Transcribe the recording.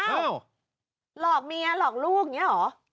หลอกเมียหลอกลูกอย่างนี้เหรอ